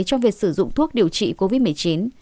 trong việc sử dụng thuốc điều trị covid một mươi chín